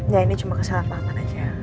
ya ini cuma kesalahpahaman aja